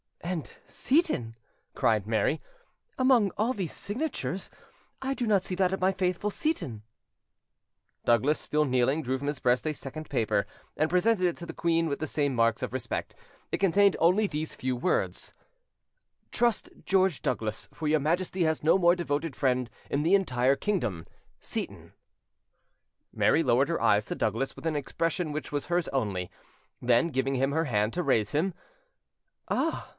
"And Seyton!" cried Mary, "among all these signatures, I do not see that of my faithful Seyton." Douglas, still kneeling, drew from his breast a second paper, and presented it to the queen with the same marks of respect. It contained only these few words: "Trust George Douglas; for your Majesty has no more devoted friend in the entire kingdom. "SEYTON." Mary lowered her eyes to Douglas with an expression which was hers only; then, giving him her hand to raise him— "Ah!"